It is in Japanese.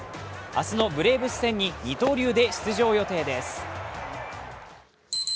明日のブレーブス戦に二刀流で出場予定です。